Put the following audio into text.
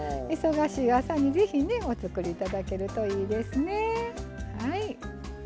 忙しい朝にぜひねお作り頂けるといいですね。